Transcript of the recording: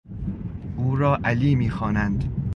او را علی میخوانند.